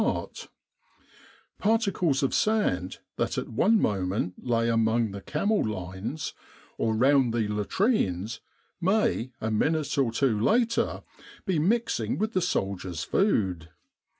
Particles of sand that at one moment lay among the camel lines, or round the latrines, may, a minute or two later, be mixing with the soldiers' food.